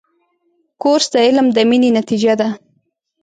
کورس د علم د مینې نتیجه ده.